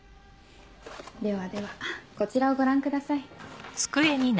ではではこちらをご覧ください。